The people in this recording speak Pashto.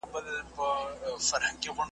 او په څېر چي د اوزګړي لېونی سي ,